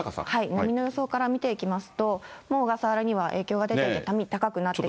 波の予想から見ていきますと、もう小笠原には影響が出ていて、波高くなっていて。